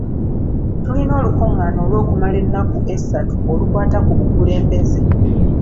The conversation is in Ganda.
Tulina olukungaana olw'okumala ennaku essatu olukwata ku bukulembeze.